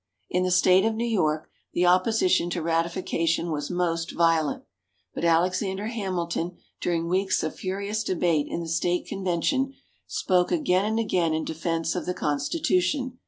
In the State of New York, the opposition to ratification was most violent. But Alexander Hamilton, during weeks of furious debate in the State Convention, spoke again and again in defense of the Constitution.